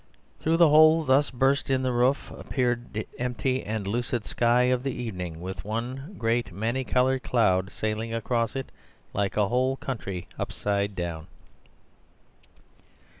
Through the hole thus burst in the roof appeared the empty and lucid sky of evening, with one great many coloured cloud sailing across it like a whole county upside down.